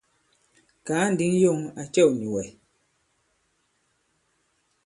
Kàa ǹdǐŋ yɔ̂ŋ à cɛ̂w nì wɛ̀.